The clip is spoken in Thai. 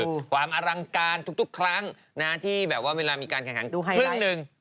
คือความอลังการทุกครั้งนะที่แบบว่าเวลามีการแข่งขันครั้งหนึ่ง